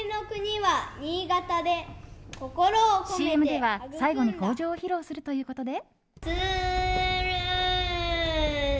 ＣＭでは最後に口上を披露するということで。